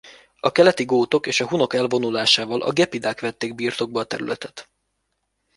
A keleti gótok és a hunok elvonulásával a gepidák vették birtokba a területet.